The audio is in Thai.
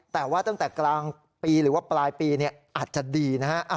แต่ว่าตั้งแต่กลางปีหรือว่าปลายปีอาจจะดีนะฮะ